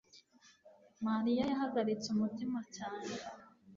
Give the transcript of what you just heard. Mariya yahagaritse umutima cyane.